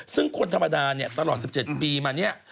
ซึ่งคนธรรมดาเนี่ยตลอด๑๗ปีมาเนี่ย